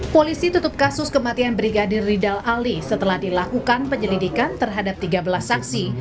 polisi tutup kasus kematian brigadir ridal ali setelah dilakukan penyelidikan terhadap tiga belas saksi